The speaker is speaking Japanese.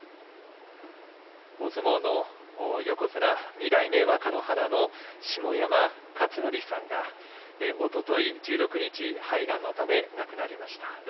大相撲の横綱２代目若乃花の下山勝則さんがおととい１６日肺がんのため亡くなりました。